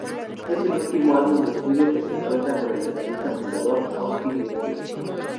Es el último álbum de estudio que cuentan con el vocalista fundador Austin Winkler.